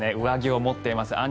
上着を持っています。